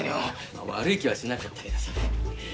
まあ悪い気はしなかったけどさ。